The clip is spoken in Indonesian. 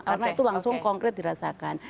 karena itu langsung konkret dirasakan